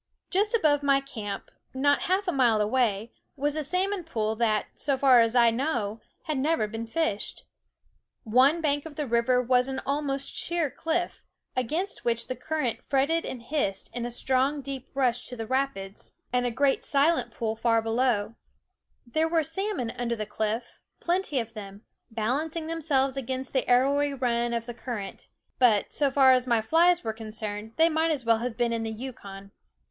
Just above my camp, not half a mile away, was a salmon pool that, so far as I know, had never been fished. One bank of the river was an almost sheer cliff, against which the current fretted and hissed in a strong deep rush to the rapids and a great SCHOOL OF *54 Uhen You Meef a Sear \' .'v^L silent pool far below. There were salmon under the cliff, plenty of them, balancing themselves against the arrowy run of the current; but, so far as my flies were con cerned, they might as well have been in the Yukon.